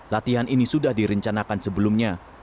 latihan ini sudah direncanakan sebelumnya